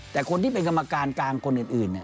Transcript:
แต่คนที่เป็นกรรมการกลางคนอื่น